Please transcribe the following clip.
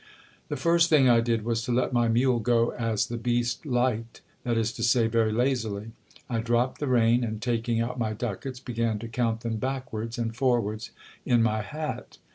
The first thing I did was to let my mule go as the beast liked, that is to say, very lazily.. I dropped the rein, and taking out my ducats, began to count them backwards and forwards in my hat.